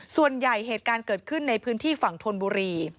เหตุการณ์เกิดขึ้นในพื้นที่ฝั่งธนบุรี